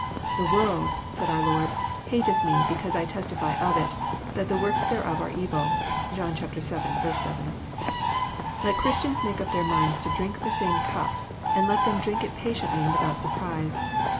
" The world," said our Lord, " hateth Me, because. I testify of it, that the works thereof are evil." (John vii. 7.) Let Christians make up their minds to drin^ the same cup, and let them drink it patiently and without surprise.